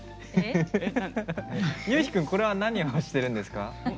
ゆうひ君、これは何をしてるんですか？